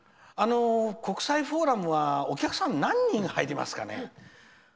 国際フォーラムはお客さん何人入りますかね？